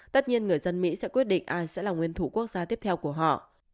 tất nhiên người dân mỹ sẽ quyết định ai sẽ là nguyên thủ quốc gia tiếp theo của họ